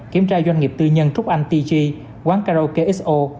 kiểm tra doanh nghiệp tư nhân trúc anh tg quán karaoke xo